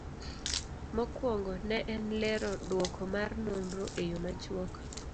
Mokwongo, ne en lero duoko mar nonro e yo machuok